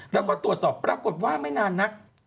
แล้วก็ตรวจสอบปรากฏว่าไม่นานนัก